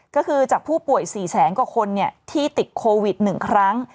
ก็คือจากผู้ป่วย๔แสนกว่าคนที่ติดโควิด๑ครั้ง